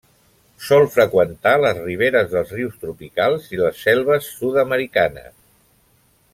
Sol freqüentar les riberes dels rius tropicals i les selves sud-americanes.